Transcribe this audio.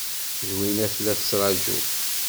Zwina tella tettṛaju.